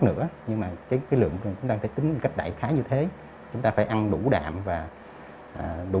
nữa nhưng mà cái lượng chúng ta có thể tính cách đại khái như thế chúng ta phải ăn đủ đạm và đủ